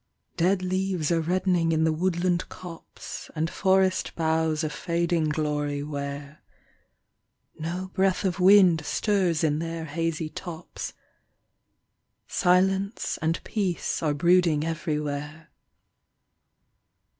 Dead leaves are reddening in the woodland copse, And forest boughs a fading glory wear; No breath of wind stirs in their hazy tops, Silence and peace are brooding everywhere.